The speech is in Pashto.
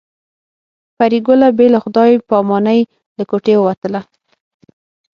پري ګله بې له خدای په امانۍ له کوټې ووتله